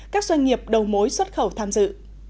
các doanh nghiệp đầu mối xuất khẩu tham dự